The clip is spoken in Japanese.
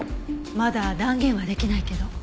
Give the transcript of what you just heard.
まだ断言はできないけど。